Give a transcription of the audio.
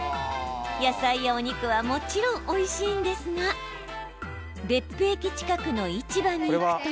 野菜やお肉は、もちろんおいしいんですが別府駅近くの市場に行くと。